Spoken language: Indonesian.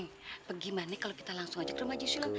neng gimana kalo kita langsung ajak ke rumah jusulam